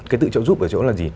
cái tự trợ giúp ở chỗ là gì